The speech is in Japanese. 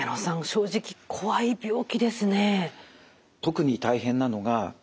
正直怖い病気ですね。